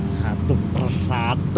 satu per satu